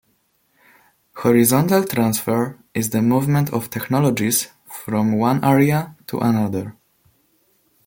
Horizontal transfer is the movement of technologies from one area to another.